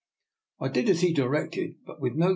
I did as he directed, but with no great DR.